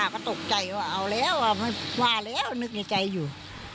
ก็ตกใจว่าเอาแล้วว่าแล้วนึกในใจอยู่